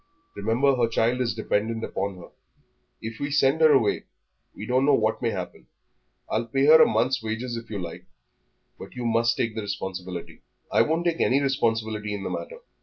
"Remember her child is dependent upon her; if we send her away we don't know what may happen. I'll pay her a month's wages if you like, but you must take the responsibility." "I won't take any responsibility in the matter.